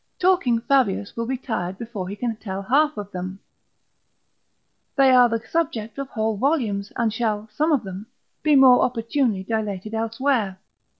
Talking Fabius will be tired before he can tell half of them; they are the subject of whole volumes, and shall (some of them) be more opportunely dilated elsewhere.